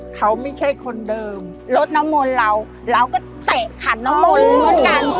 เขาไม่ใช่คนเดิมรถน้ำมนต์เราเราก็แตะขัดน้องมนต์กัน